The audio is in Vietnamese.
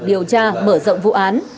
điều tra mở rộng vụ án